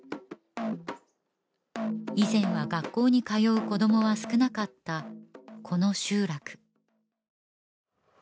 以前は学校に通う子どもは少なかったこの集落